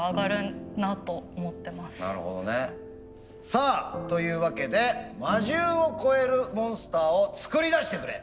さあというわけで魔獣を超えるモンスターを作り出してくれ。